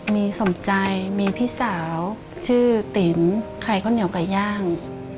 มีสมใจมีพี่สาวชื่อติ๋มขายข้าวเหนียวไก่ย่าง